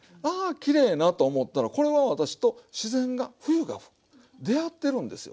きれいなと思ったらこれは私と自然が冬が出会ってるんですよ